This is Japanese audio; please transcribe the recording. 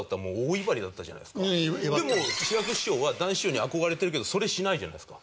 でも志らく師匠は談志師匠に憧れてるけどそれしないじゃないですか。